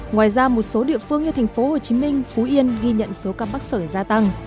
ngoài ra một số địa phương như thành phố hồ chí minh phú yên ghi nhận số ca mắc sở gia tăng